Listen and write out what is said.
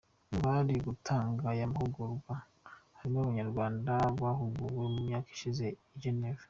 Mu bari gutanga aya mahugurwa harimo n’abanyarwanda bahuguwe mu myaka ishize i Genève.